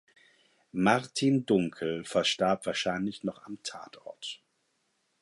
Martin Dunkel verstarb wahrscheinlich noch am Tatort.